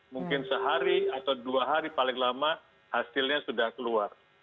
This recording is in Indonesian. mungkin sehari atau dua hari paling lama hasilnya sudah keluar